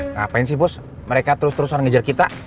ngapain sih bos mereka terus terusan ngejar kita